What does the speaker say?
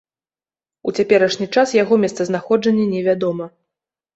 У цяперашні час яго месцазнаходжанне невядома.